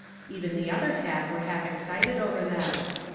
(Even the other half were half excited over them.)